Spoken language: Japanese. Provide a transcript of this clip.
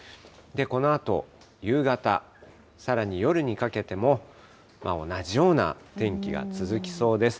このあと、夕方、さらに夜にかけても、同じような天気が続きそうです。